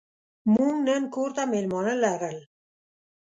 موږ نن کور ته مېلمانه لرل.